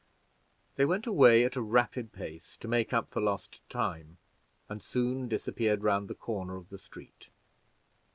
They went away at a rapid pace to make up for lost time, and soon disappeared around the corner of the street.